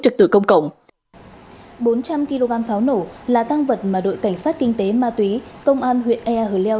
sự công cộng bốn trăm linh kg pháo nổ là tăng vật mà đội cảnh sát kinh tế ma túy công an huyện ea hờ leo